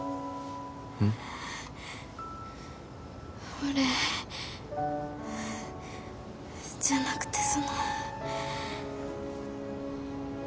俺じゃなくてその。